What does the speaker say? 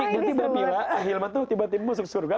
jadi tiba tiba bila ahilman tuh tiba tiba masuk surga